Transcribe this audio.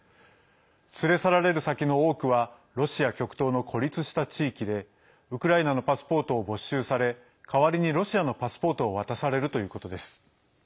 連れ去られる先の多くはロシア極東の孤立した地域でウクライナのパスポートを没収され代わりにロシアのパスポートを渡されるということです。